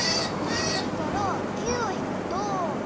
１２から９をひくと。